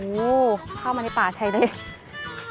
อู้วเข้ามาในป่าชาเลน